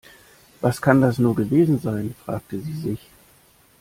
Was kann das nur gewesen sein, fragte sie sich.